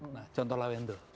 nah contoh lah windo